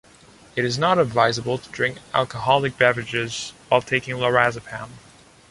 It is not advisable to drink alcoholic beverages while taking Lorazepam.